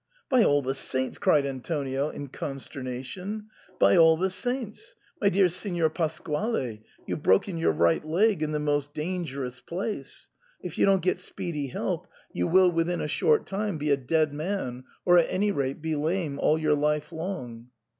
" By all the saints !" cried Antonio in consternation, " by all the saints ! my dear Signer Pasquale, you've broken your right leg in the most dangerous place. If you don't get speedy help you will within a short time be a dead man, or at any rate be lame all your life long."